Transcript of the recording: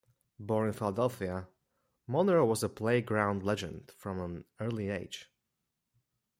Born in Philadelphia, Monroe was a playground legend from an early age.